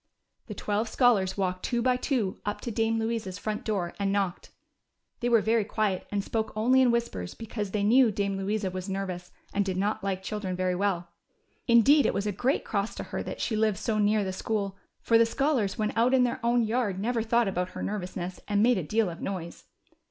The twelve scholars walked two by two up to Dame Louisa's front door, and knocked. They were very quiet and spoke only in whispers, because they knew Dame Louisa was nervous, and did not like children ON TUE WAY TO DAME LOUISA'S. very well. Indeed it was a great cross to lier that she lived so near the school, for the scholars when out in their own yard never thought al)out her nervous ness, and made a deal of noise.